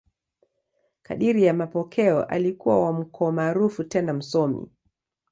Kadiri ya mapokeo, alikuwa wa ukoo maarufu tena msomi.